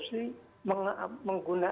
masih punya nama baik dan menggunakan